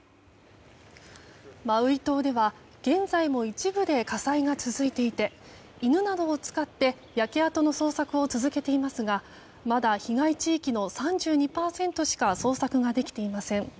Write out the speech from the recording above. マウイ島では現在も一部で火災が続いていて犬などを使って焼け跡の捜索を続けていますがまだ被害地域の３２％しか捜索ができていません。